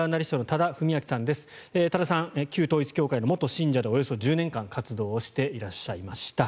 多田さん、旧統一教会の元信者でおよそ１０年間活動をしていらっしゃいました。